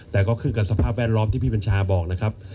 แต่ก็ขึ้นกับสภาพแวดล้อมที่พี่บัญชาบอกนะครับ